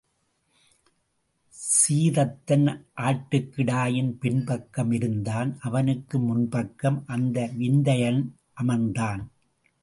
சீதத்தன் ஆட்டுக்கிடாயின் பின் பக்கம் இருந்தான் அவனுக்கு முன் பக்கம் அந்த விந்தையன் அமர்ந்தான்.